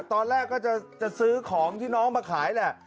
ตอนแรกก็จะซื้อของที่น้องมาขายแหละ